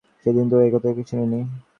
সেদিন তো এ-সব কথা কোনোদিন শুনি নি।